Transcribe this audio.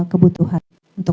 tergantung pada kebutuhan